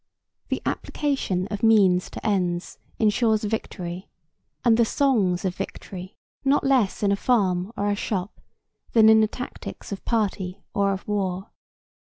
The application of means to ends insures victory and the songs of victory not less in a farm or a shop than in the tactics of party or of war.